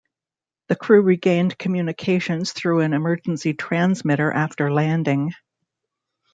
The crew regained communications through an emergency transmitter after landing.